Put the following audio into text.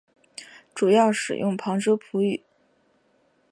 主要使用旁遮普语。